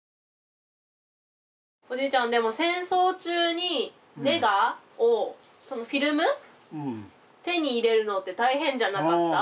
おじいちゃんでも戦争中にネガをフィルムを手に入れるのって大変じゃなかった？